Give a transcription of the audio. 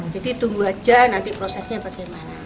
jadi tunggu saja nanti prosesnya bagaimana